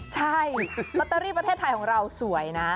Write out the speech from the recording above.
ใช่รอตาลีประเทศไทยของเราสวยนะ